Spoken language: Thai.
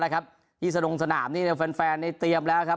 นะครับที่สนุกสนามนี่เนี่ยแฟนแฟนในเตรียมแล้วครับ